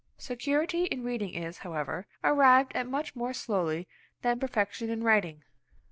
Security in reading is, however, arrived at much more slowly than perfection in writing.